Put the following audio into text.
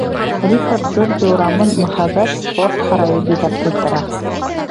Рихард Зорге урамын мөһәбәт Спорт һарайы биҙәп ултыра.